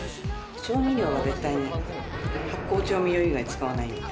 調味料は絶対に、発酵調味料以外使わない。